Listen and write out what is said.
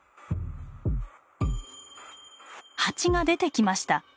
ハチが出てきました。